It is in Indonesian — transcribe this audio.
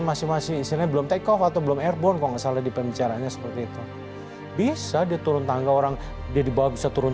masing masing sini belum take of atau belum airborn kok bisa melakukan tugasnya sampai garis finish dan berani berkorban ini yang menjadi contoh buat kita semua